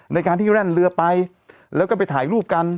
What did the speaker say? ในการที่แล่นเรือไปแล้วก็ไปถ่ายรูปกัน